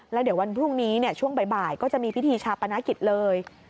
แล้วเดี๋ยววันพรุ่งนี้ช่วงบ่ายก็จะมีพิธีชาปนกิจเลย